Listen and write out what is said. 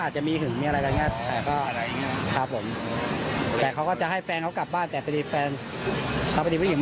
หึงอะไรเนี่ย